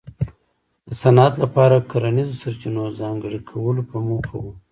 د صنعت لپاره کرنیزو سرچینو ځانګړي کولو په موخه و.